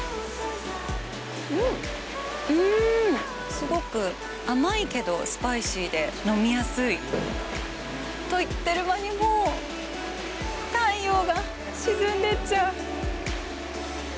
すごく甘いけどスパイシーで飲みやすい。と言ってる間に、もう太陽が沈んでっちゃう。